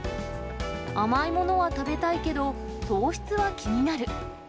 甘いものは食べたいけど、糖質は気になる。